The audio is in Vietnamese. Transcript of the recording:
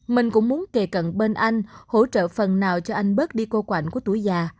mình cũng muốn kề cận bên anh hỗ trợ phần nào cho anh bớt đi cô quản của tuổi già